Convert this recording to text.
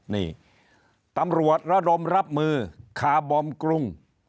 นี่ตำรวจระดมรับมือคาร์บอมกรุง